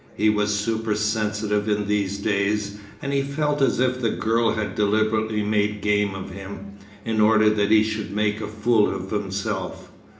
He was supersensitive in these days, and he felt as if the girl had deliberately made game of him, in order that he should make a fool of himself.